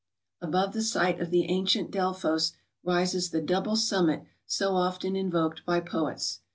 Above the site of the ancient Delphos rises the double summit so often invoked by poets.